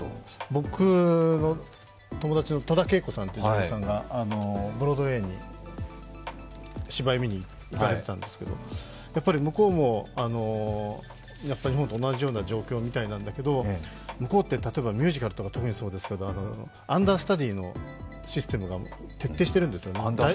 僕、友達の戸田恵子さんという女優さんがブロードウェイに芝居を見にいったんですけど、向こうも日本と同じような状況みたいなんだけど向こうって、ミュージカルは特にそうですけれども、アンダースタディーのシステムが徹底しているんですよね。